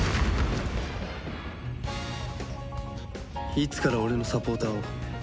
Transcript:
いつから俺のサポーターを？